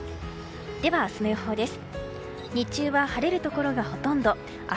では明日の予報です。